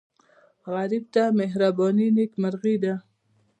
غریب ته مهرباني نیکمرغي ده